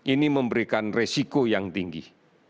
ini memberikan resiko yang tinggi